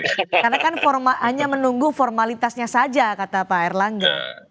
karena kan hanya menunggu formalitasnya saja kata pak erlangga